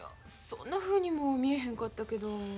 そんなふうにも見えへんかったけど。